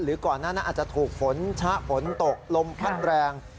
ก่อนหน้านั้นอาจจะถูกฝนชะฝนตกลมพัดแรง